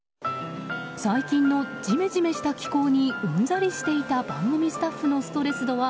最近のジメジメした気候にうんざりしていた番組スタッフのストレス度は８５。